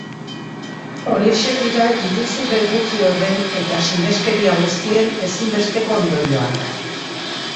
Horiexek dira iruzur errukiorren eta sineskeria guztien ezinbesteko ondorioak.